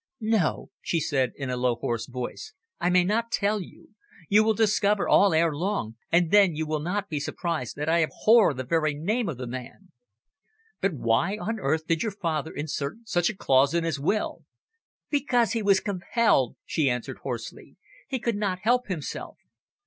"No," she said in a low hoarse voice, "I may not tell you. You will discover all ere long, and then you will not be surprised that I abhor the very name of the man." "But why on earth did your father insert such a clause in his will?" "Because he was compelled," she answered hoarsely. "He could not help himself."